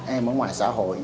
em ở ngoài xã hội